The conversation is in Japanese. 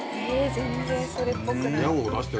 全然それっぽくない。